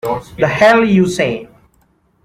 The hell you say!